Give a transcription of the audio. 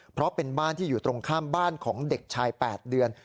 เพราะเป็นบ้านที่อยู่ตรงข้ามบ้านของเด็กชาย๘เดือน